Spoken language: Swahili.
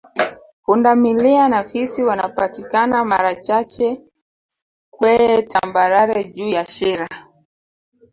Punda milia na fisi wanapatikana mara chache kweye tambarare juu ya Shira